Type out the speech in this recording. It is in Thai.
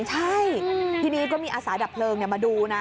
ใช่ทีนี้ก็มีอาสาดับเพลิงมาดูนะ